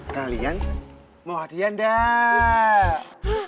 kalian mau hadiah enggak